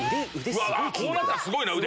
こうなったらすごいな腕！